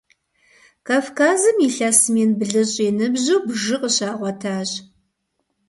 Кавказым илъэс мин блыщӏ и ныбжьу бжы къыщагъуэтащ.